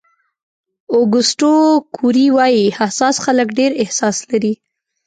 اوګسټو کوري وایي حساس خلک ډېر احساس لري.